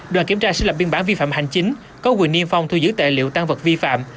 đoàn kiểm tra sẽ lập biên bản vi phạm hành chính có quyền niêm phong thu giữ tài liệu tăng vật vi phạm